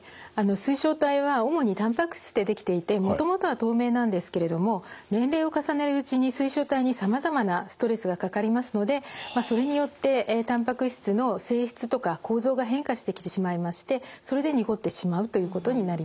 水晶体は主にたんぱく質で出来ていてもともとは透明なんですけれども年齢を重ねるうちに水晶体にさまざまなストレスがかかりますのでそれによってたんぱく質の性質とか構造が変化してきてしまいましてそれで濁ってしまうということになります。